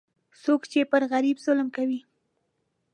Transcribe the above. څوک چې پر غریب ظلم کوي،